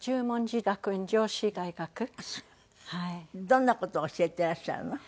どんな事を教えていらっしゃるの？